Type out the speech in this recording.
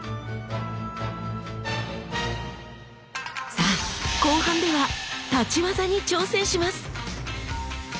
さあ後半では立ち技に挑戦します。